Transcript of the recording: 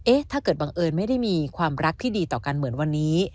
ถ้าเกิดบังเอิญไม่ได้มีความรักที่ดีต่อกันเหมือนวันนี้